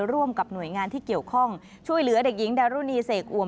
ร่วมกับหน่วยงานที่เกี่ยวข้องช่วยเหลือเด็กหญิงดารุณีเสกอวม